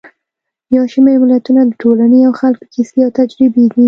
یو شمېر متلونه د ټولنې او خلکو کیسې او تجربې دي